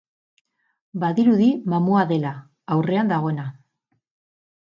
Badirudi mamua dela, aurrean dagoena.